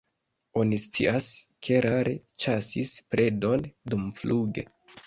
Oni scias, ke rare ĉasis predon dumfluge.